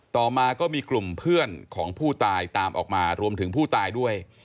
ต่อมาก็มีกลุ่มเพื่อนของผู้ตายตามออกมารวมถึงผู้ตายด้วย